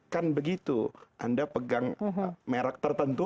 kan begitu anda pegang merek tertentu